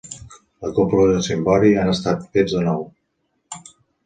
La cúpula i el cimbori han estat fets de nou.